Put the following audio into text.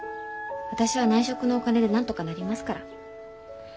私は内職のお金でなんとかなりますから。